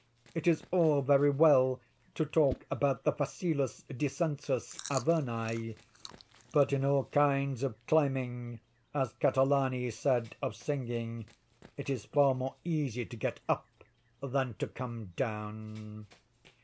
It is all very well to talk about the facilis descensus Averni; but in all kinds of climbing, as Catalani said of singing, it is far more easy to get up than to come down.